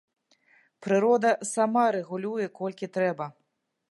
Прырода сама рэгулюе, колькі трэба.